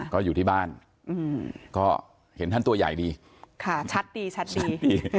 ก็อยู่ที่บ้านก็เห็นท่านตัวใหญ่ดีค่ะชัดดีชัดดี